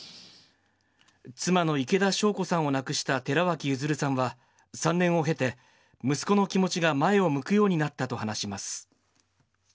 妻の池田晶子さんを亡くした寺脇譲さんは、３年を経て、息子の気持ちが前を向くようになったと話します。